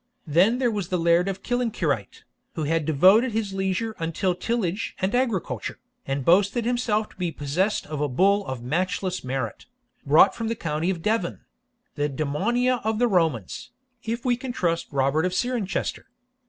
Then there was the Laird of Killancureit, who had devoted his leisure UNTILL tillage and agriculture, and boasted himself to be possessed of a bull of matchless merit, brought from the county of Devon (the Damnonia of the Romans, if we can trust Robert of Cirencester).